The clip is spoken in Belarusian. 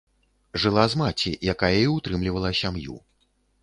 Жыла з маці, якая і ўтрымлівала сям'ю.